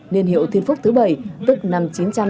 nên hiệu thiên phúc thứ bảy tức năm một nghìn chín trăm tám mươi bảy